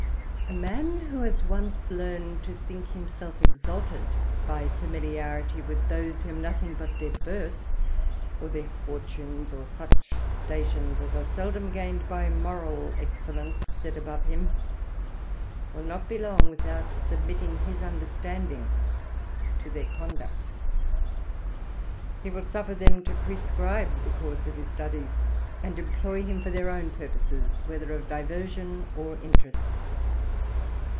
A man who has once learned to think himself exalted by familiarity with those whom nothing but their birth, or their fortunes, or such stations as are seldom gained by moral excellence, set above him, will not be long without submitting his understanding to their conduct ; he will suffer them to prescribe the course of his studies, and employ him for their own purposes either of diversion or interest.